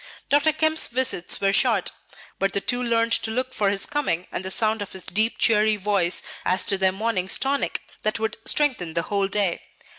Dr. Kemp's visits were short, but the two learned to look for his coming and the sound of his deep, cheery voice, as to their morning's tonic that would strengthen the whole day.